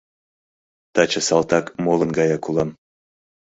Таче салтак молын гаяк улам